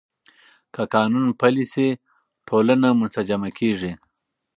که قانون پلی شي، ټولنه منسجمه کېږي.